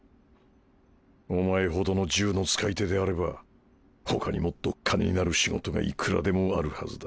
お前ほどの銃の使い手であれば他にもっと金になる仕事がいくらでもあるはずだ。